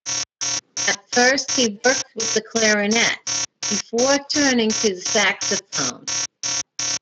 At first he worked with the clarinet, before turning to the saxophone.